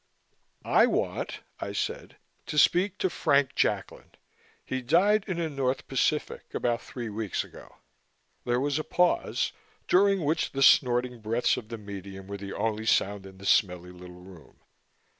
"I want," I said, "to speak to Frank Jacklin. He died in the North Pacific about three weeks ago." There was a pause, during which the snorting breaths of the medium were the only sound in the smelly little room.